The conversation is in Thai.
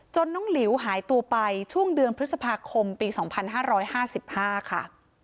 จนน้องหลิวหายตัวไปช่วงเดือนพฤษภาคมปีสองพันห้าร้อยห้าสิบห้าค่ะ